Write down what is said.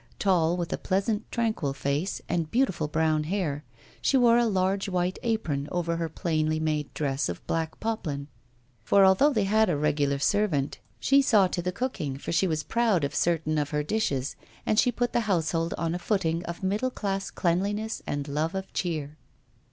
Tall, with a pleasant, tranquil face and beautiful brown hair, she wore a large white apron over her plainly made dress of black poplin; for although they had a regular servant, she saw to the cooking, for she was proud of certain of her dishes, and she put the household on a footing of middle class cleanliness and love of cheer.